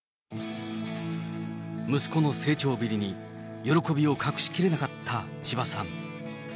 息子の成長ぶりに喜びを隠しきれなかった千葉さん。